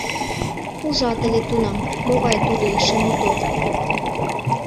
Ужат ыле тунам, могай тудо эше мотор.